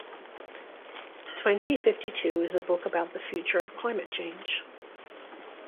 Twenty fifty-two is a book about the future of climate change.